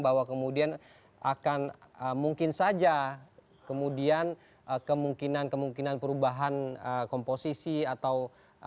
bahwa kemudian akan mungkin saja kemudian kemungkinan kemungkinan perubahan komposisi atau